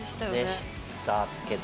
でしたけど。